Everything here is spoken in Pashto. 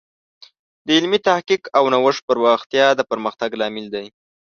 د علمي تحقیق او نوښت پراختیا د پرمختګ لامل دی.